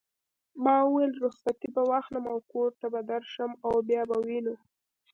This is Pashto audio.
ما وویل: رخصتې به واخلم او کور ته به درشم او بیا به وینو.